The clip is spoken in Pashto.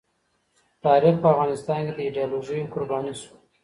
تاریخ په افغانستان کي د ایډیالوژیو قرباني سو.